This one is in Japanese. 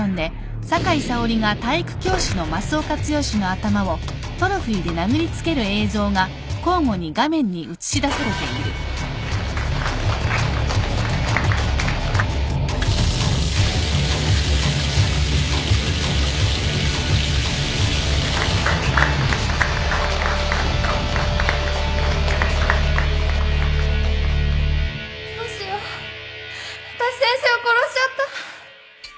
わたし先生を殺しちゃった！